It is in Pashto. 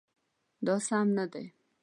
دا سم نه دی